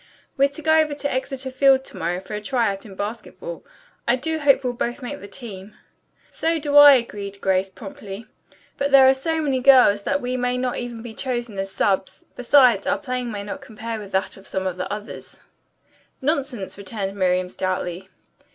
"We're to go over to Exeter Field to morrow for a try out in basketball. I do hope we'll both make the team." "So do I," agreed Grace promptly. "But there are so many girls that we may not be even chosen as subs. Besides, our playing may not compare with that of some of the others." "Nonsense," returned Miriam stoutly.